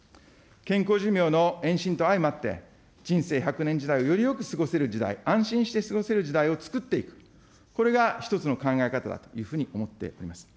健康寿命の延伸と相まって、人生１００年時代をよりよく過ごせる時代、安心して過ごせる時代を作っていく、これが１つの考え方だというふうに思っております。